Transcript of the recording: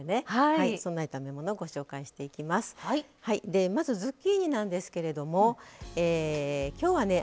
でまずズッキーニなんですけれどもえ今日はね